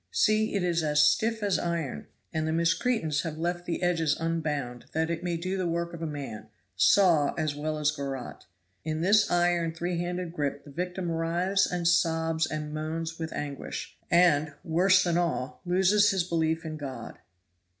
See, it is as stiff as iron, and the miscreants have left the edges unbound that it may do the work of a man saw as well as a garotte. In this iron three handed gripe the victim writhes and sobs and moans with anguish, and, worse than all, loses his belief in God."